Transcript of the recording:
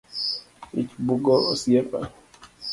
Ich bugo osiepa